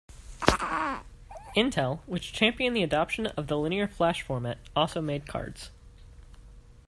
Intel, which championed the adoption of the Linear Flash format, also made cards.